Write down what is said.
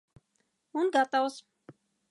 Un gatavs!